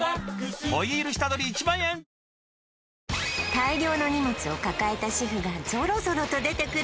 大量の荷物を抱えた主婦がぞろぞろと出てくる